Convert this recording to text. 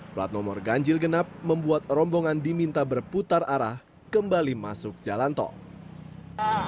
plat nomor ganjil genap membuat rombongan diminta berputar arah kembali masuk jalan tol